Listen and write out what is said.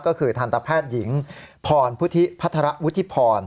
ก็คือทันตแพทย์หญิงพรพุทธิพัฒระวุฒิพร